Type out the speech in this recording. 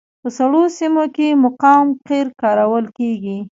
په سړو سیمو کې مقاوم قیر کارول کیږي